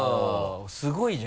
すごいじゃん？